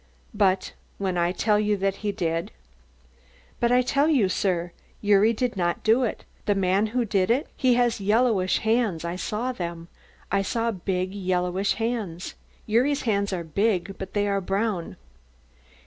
"But when I tell you that he did?" "But I tell you, sir, that Gyuri did not do it. The man who did it he has yellowish hands I saw them I saw big yellowish hands. Gyuri's hands are big, but they are brown."